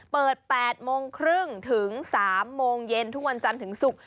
เปิด๘โมงครึ่งถึง๓โมงเย็นทุกวันจันทร์ถึงศุกร์